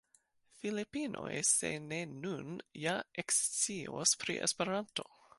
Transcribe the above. Filipinoj, se ne nun, ja ekscios pri Esperanto.